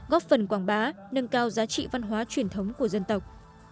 góp phần quảng bá nâng cao giá trị văn hóa truyền thống của dân tộc